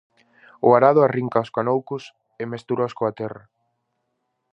O arado arrinca os canoucos e mestúraos coa terra.